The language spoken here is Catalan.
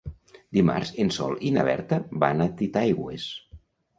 Dimarts en Sol i na Berta van a Titaigües.